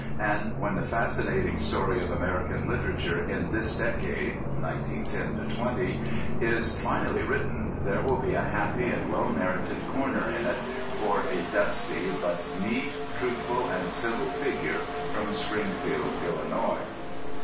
And when the fascinating story of American literature in this decade (1910 20) is finally written, there will be a happy and well merited corner in it for a dusty but "neat, truthful, and civil" figure from Springfield, Illinois.